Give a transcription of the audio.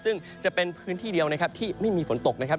ซึ่งจะเป็นพื้นที่เดียวนะครับที่ไม่มีฝนตกนะครับ